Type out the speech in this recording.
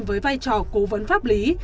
với vai trò cố vấn pháp lý